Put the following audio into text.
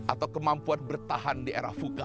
atau kemampuan bertahan di era vuka